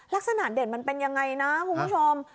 ลักษณะเด่นมันเป็นยังไงนะคุณผู้ชม